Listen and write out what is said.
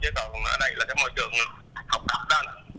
chứ còn ở đây là cái môi trường học tập đó